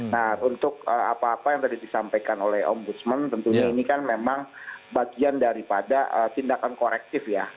nah untuk apa apa yang tadi disampaikan oleh ombudsman tentunya ini kan memang bagian daripada tindakan korektif ya